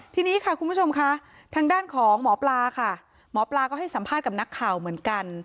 ทีนี้ค่ะคุณผู้ชมค่ะทางด้านของหมอปลาค่ะหมอปลาก็ให้สัมภาษณ์กับนักข่าวเหมือนกัน